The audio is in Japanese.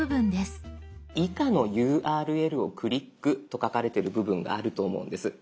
「以下のＵＲＬをクリック」と書かれてる部分があると思うんです。